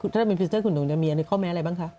ถ้าเป็นพรีเซ็นเตอร์คุณหนุ่มจะมีอันด้วยข้อแม้อะไรบ้างคะ